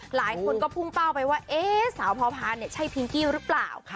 หลายคนก็พุ่งเป้าไปว่าสาวพอพานใช่พิงกี้หรือเปล่า